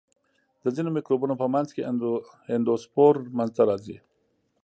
د ځینو مکروبونو په منځ کې اندوسپور منځته راځي.